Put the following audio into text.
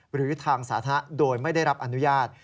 หรือทางสาธารณะโดยไม่ได้รับอนุญาต